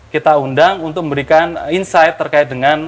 kita undang untuk memberikan insight terkait dengan